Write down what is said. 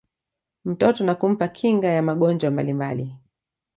mtoto na kumpa kinga ya magonjwa mbalimbali